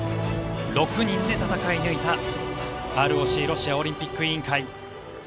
６人で戦い抜いたＲＯＣ・ロシアオリンピック委員会。